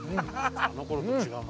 あの頃と違うな。